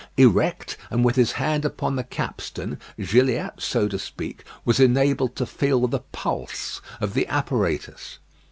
Erect, and with his hand upon the capstan, Gilliatt, so to speak, was enabled to feel the pulse of the apparatus.